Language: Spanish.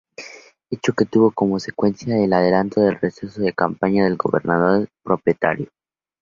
Hecho que tuvo como consecuencia el adelanto del regreso de campaña del gobernador propietario.